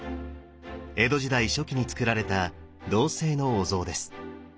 江戸時代初期につくられた銅製のお像です。